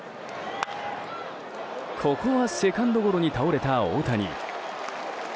ここはセカンドゴロに倒れた大谷。